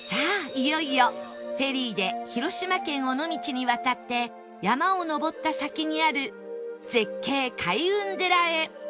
いよいよフェリーで広島県尾道に渡って山を登った先にある絶景開運寺へ